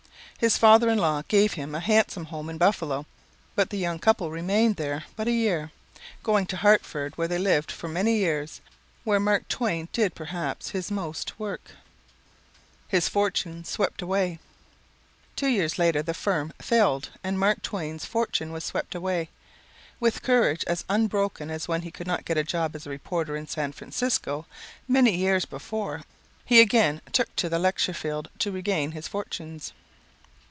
His father in law gave him a handsome home in Buffalo, but the young couple remained there but a year, going to Hartford where they lived for many years and where Mark Twain did perhaps his most ... work... [unreadable.] His Fortune Swept Away Two years later the firm failed and Mark Twain's fortune was swept away. With courage as unbroken as when he could not get a job as reporter in San Francisco many years before he again took to the lecture field to regain his fortunes.